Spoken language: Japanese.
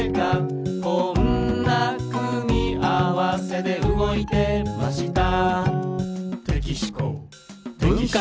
「こんな組み合わせで動いてました」